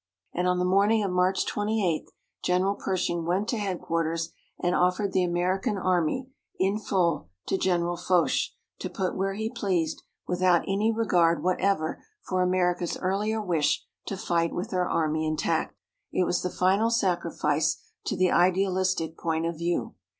And on the morning of March 28 General Pershing went to headquarters and offered the American Army in full to General Foch, to put where he pleased, without any regard whatever for America's earlier wish to fight with her army intact. It was the final sacrifice to the idealistic point of view.